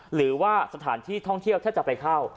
หรือว่าสถานที่ท่องเที่ยวถ้าจะไปเข้า